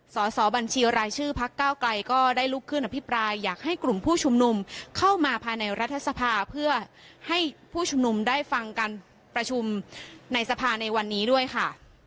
สอบบัญชีรายชื่อพักเก้าไกลก็ได้ลุกขึ้นอภิปรายอยากให้กลุ่มผู้ชุมนุมเข้ามาภายในรัฐสภาเพื่อให้ผู้ชุมนุมได้ฟังการประชุมในสภาในวันนี้ด้วยค่ะ